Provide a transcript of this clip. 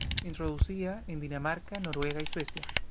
Introducida en Dinamarca, Noruega y Suecia.